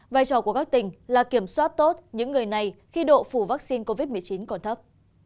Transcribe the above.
vai trò của các tỉnh là kiểm soát tốt những người này khi độ phủ vaccine covid một mươi chín còn thấp